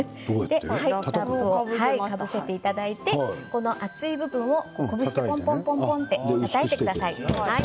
ラップをかぶせていただいて厚い部分をポンポンポンとたたいてください。